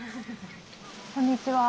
こんにちは。